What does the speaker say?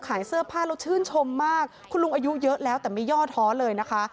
ขายเสื้อผ้าแล้วชื่นชมมากคุณลุงอายุเยอะแล้วแต่ไม่ย่อท้อเลยนะคะ